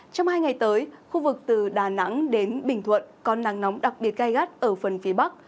trong hai ngày tới khu vực từ đà nẵng đến bình thuận có nắng nóng đặc biệt gai gắt ở phần phía bắc